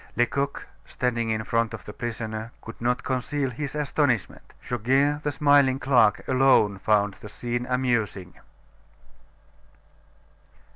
Lecoq, standing in front of the prisoner, could not conceal his astonishment. Goguet, the smiling clerk, alone found the scene amusing.